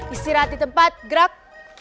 istirahat di tempat gerak